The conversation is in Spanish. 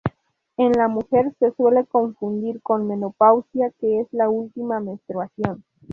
En la mujer, se suele confundir con menopausia, que es la última menstruación.